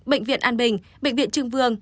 bệnh viện an bình bệnh viện trưng vương